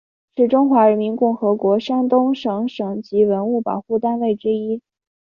是中华人民共和国山东省省级文物保护单位之一。